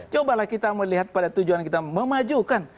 cobalah kita melihat pada tujuan kita memajukan